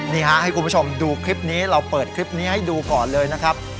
นี่ฮะให้คุณผู้ชมดูคลิปนี้เราเปิดคลิปนี้ให้ดูก่อนเลยนะครับ